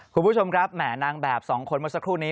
คุณผู้ชมครับแหมนางแบบสองคนเมื่อสักครู่นี้